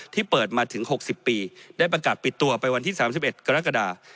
เปิดมาถึง๖๐ปีได้ประกาศปิดตัวไปวันที่๓๑กรกฎา